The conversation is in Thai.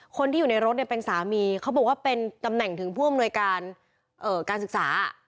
คนที่อยู่ในรถเนี่ยเป็นสามีเขาบอกว่าเป็นตำแหน่งถึงผู้อำนวยการการศึกษา